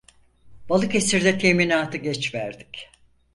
Balıkesir'de teminatı geç verdik.